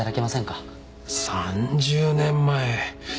３０年前。